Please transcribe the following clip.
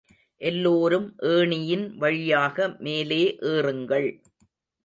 எல்லோரும் ஏணியின் வழியாக மேலே ஏறுங்கள்.